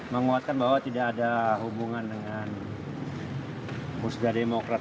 menguatkan bahwa tidak ada hubungan dengan musda demokrat